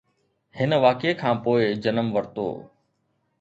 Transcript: هن واقعي کان پوء جنم ورتو